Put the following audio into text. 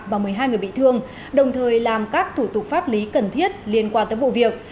và một mươi hai người bị thương đồng thời làm các thủ tục pháp lý cần thiết liên quan tới vụ việc